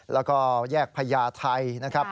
แล้วก็แยกพญาไทยนะครับ